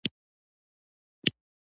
په دې کار به یې د غزا ثواب په نصیب شو.